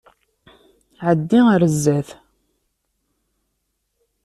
Ɛeddi ɣer zdat!